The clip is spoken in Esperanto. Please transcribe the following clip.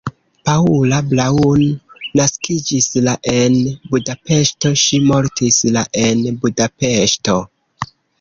Paula Braun naskiĝis la en Budapeŝto, ŝi mortis la en Budapeŝto.